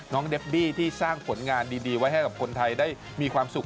เดบบี้ที่สร้างผลงานดีไว้ให้กับคนไทยได้มีความสุข